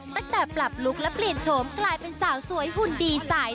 ปรับลุคและเปลี่ยนโฉมกลายเป็นสาวสวยหุ่นดีสาย